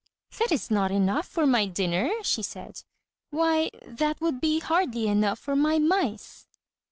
"That is not enough for my dinner," she said. "Why, that would be hardly enough for my mice!"